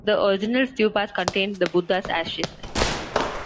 The original stupas contained the Buddha's ashes.